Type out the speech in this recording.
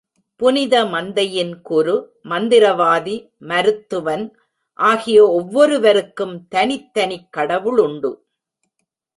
புனித மந்தையின் குரு, மந்திரவாதி, மருத்துவன் ஆகிய ஒவ்வொருவருக்கும் தனித்தனிக் கடவுளுண்டு.